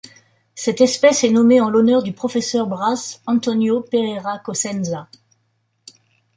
Cette espèce est nommée en l'honneur du professeur Braz Antônio Pereira Cosenza.